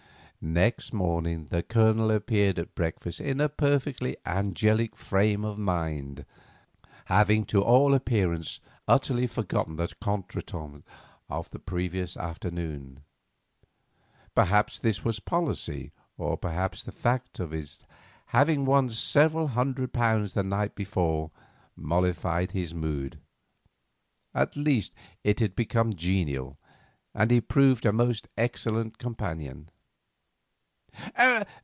Next morning the Colonel appeared at breakfast in a perfectly angelic frame of mind, having to all appearance utterly forgotten the "contretemps" of the previous afternoon. Perhaps this was policy, or perhaps the fact of his having won several hundred pounds the night before mollified his mood. At least it had become genial, and he proved a most excellent companion.